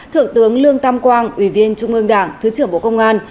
thượng tướng lương tam quang ủy viên trung ương đảng thứ trưởng bộ công an